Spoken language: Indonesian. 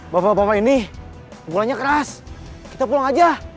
bapak bapak ini pukulannya keras kita pulang aja